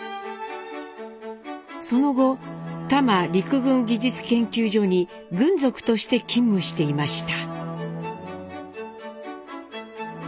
その後多摩陸軍技術研究所に軍属として勤務していました。